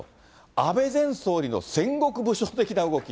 安倍前総理の戦国武将的な動き。